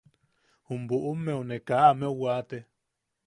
Jum buʼummeu ne kaa ameu waate.